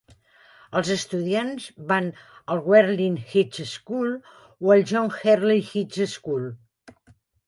Els estudiants van al Wheeling High School o al John Hersey High School.